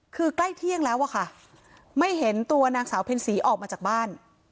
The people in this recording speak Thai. คือใกล้เที่ยงแล้วอะค่ะไม่เห็นตัวนางสาวเพ็ญศรีออกมาจากบ้าน